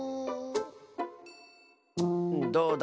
どうだ？